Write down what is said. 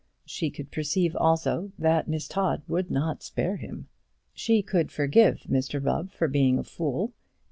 She could perceive also that Miss Todd would not spare him. She could forgive Mr Rubb for being a fool.